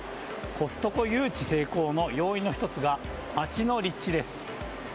コストコ誘致成功の要因の１つが町の立地です。